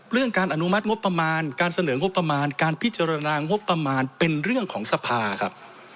เรื่องการอนุมัติงบประมาณการเสนองบประมาณการพิจารณางบประมาณเป็นเรื่องของสภาครับ